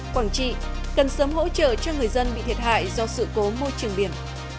quảng trị cần sớm hỗ trợ cho người dân bị thiệt hại do sự cố môi trường biển